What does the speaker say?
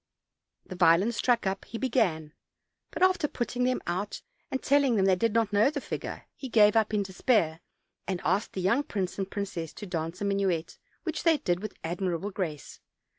The violins struck up, he began; but after T)u f>;r n? them out and telling OLD, OLD FAIRT TALE 3. 375 them they did not know the figure, he gave up in despair, and asked the young prince and princess to dance a min uet, which they did with admirable grace.